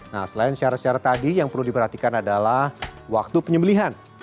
nah selain syarat syarat tadi yang perlu diperhatikan adalah waktu penyembelihan